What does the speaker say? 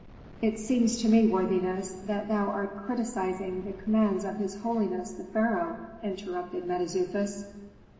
"It seems to me, worthiness, that thou art criticising the commands of his holiness the pharaoh," interrupted Mentezufis.